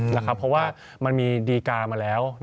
เพราะว่ามันมีดีกามาแล้ว